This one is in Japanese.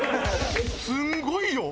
すごいよ！